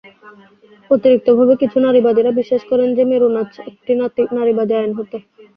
অতিরিক্তভাবে, কিছু নারীবাদীরা বিশ্বাস করেন যে মেরু নাচ একটি নারীবাদী আইন হতে।